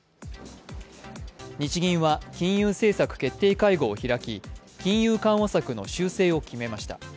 日銀は金融政策決定会合を開き金融緩和策の修正を決めました。